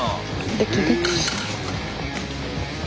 ドキドキ。